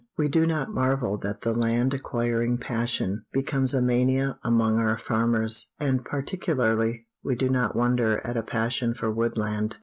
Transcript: We do not marvel that the land acquiring passion becomes a mania among our farmers, and particularly we do not wonder at a passion for wood land.